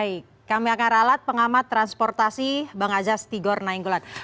baik kami akan ralat pengamat transportasi bang azastigor nainggolan